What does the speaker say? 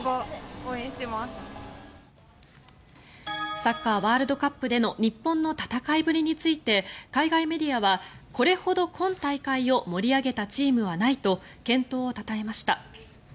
サッカーワールドカップでの日本の戦いぶりについて海外メディアはこれほど今大会を盛り上げたチームはないと健闘をたたえました。